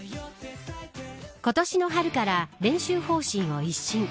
今年の春から練習方針を一新。